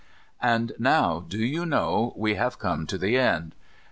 And now, do you know, we have come to the end.